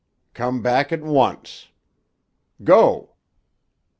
Come, back at once. Go!"